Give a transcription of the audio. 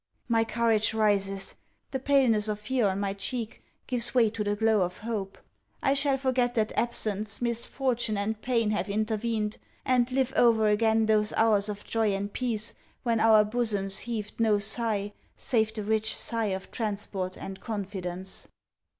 My courage rises. The paleness of fear on my cheek gives way to the glow of hope. I shall forget that absence, misfortune, and pain, have intervened and live over again those hours of joy and peace, when our bosoms heaved no sigh, save the rich sigh of transport and confidence.